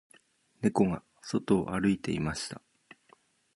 猫が外を歩いていました